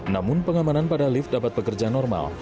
namun pengamanan pada lift dapat bekerja normal